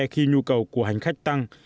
khi nhu cầu của hành khách tăng